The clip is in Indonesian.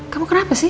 kamu kenapa sih